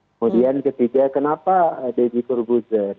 kemudian ketiga kenapa deddy kobusier